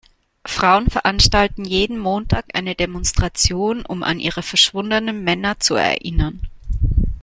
Frauen veranstalten jeden Montag eine Demonstration, um an ihre verschwundenen Männer zu erinnern.